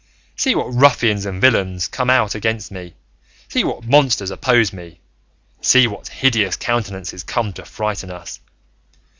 See what ruffians and villains come out against me; see what monsters oppose me; see what hideous countenances come to frighten us!